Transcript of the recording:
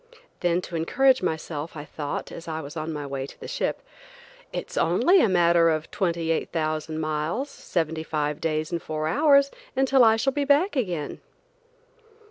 Then to encourage myself I thought, as I was on my way to the ship: "It's only a matter of 28,000 miles, and seventy five days and four hours, until I shall be back again."